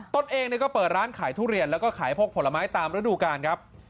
ตนเองก็เปิดร้านขายทุเรียนแล้วก็ขายพวกผลไม้ตามฤดูกาลครับ